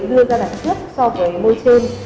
đưa ra đằng trước so với môi trên